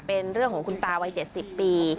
เป็นเรื่องของคุณตาวัย๗๐ปี